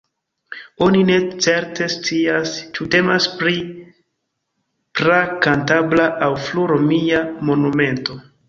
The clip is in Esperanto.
Oni ne certe scias, ĉu temas pri pra-kantabra aŭ fru-romia monumento.